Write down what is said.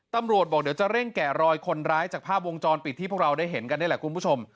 ตำรวจบอกเดี๋ยวจะเร่งแกะรอยคนร้ายจากภาพวงจรปิดที่พวกเราได้เห็นกันนี่แหละคุณผู้ชม